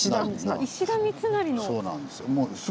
あっ石田三成の。